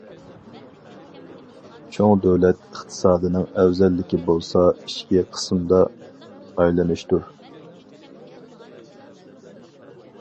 چوڭ دۆلەت ئىقتىسادىنىڭ ئەۋزەللىكى بولسا، ئىچكى قىسىمدا ئايلىنىشتۇر.